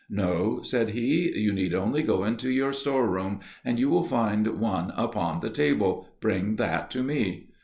"No," said he, "you need only go into your store room, and you will find one upon the table; bring that to me."